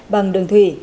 bằng đường thủy